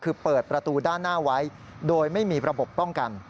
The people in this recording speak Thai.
คือเปิดประตูด้านหน้าไว้โดยไม่มีระบบป้องกัน